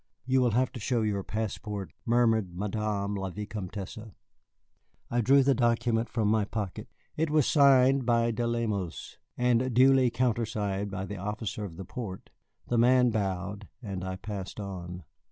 "You will have to show your passport," murmured Madame la Vicomtesse. I drew the document from my pocket. It was signed by De Lemos, and duly countersigned by the officer of the port. The man bowed, and I passed on.